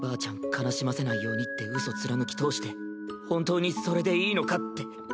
悲しませないようにってうそ貫き通して本当にそれでいいのかって。